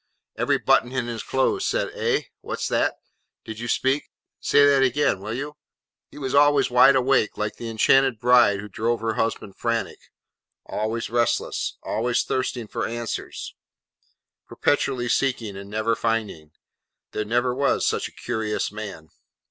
Every button in his clothes said, 'Eh? What's that? Did you speak? Say that again, will you?' He was always wide awake, like the enchanted bride who drove her husband frantic; always restless; always thirsting for answers; perpetually seeking and never finding. There never was such a curious man.